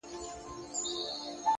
د باران وروسته هوا یو ډول سپکوالی لري,